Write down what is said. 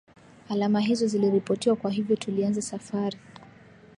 alama hizo ziliripoti kwa hivyo tulianza safari